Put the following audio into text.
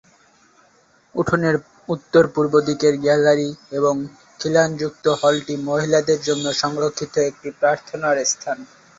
উঠোনের উত্তর-পূর্ব দিকের গ্যালারী এবং খিলানযুক্ত হলটি মহিলাদের জন্য সংরক্ষিত একটি প্রার্থনার স্থান।